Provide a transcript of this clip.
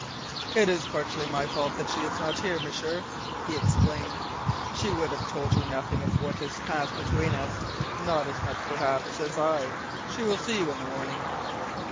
"It is partly my fault that she is not here, M'sieur," he explained. "She would have told you nothing of what has passed between us not as much, perhaps, as I. She will see you in the morning."